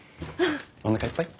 おなかいっぱい？